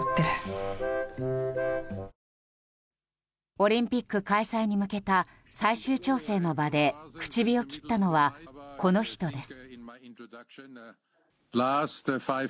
オリンピック開催に向けた最終調整の場で口火を切ったのは、この人です。